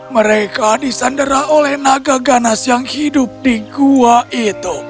mereka disandera oleh naga ganas yang hidup di gua itu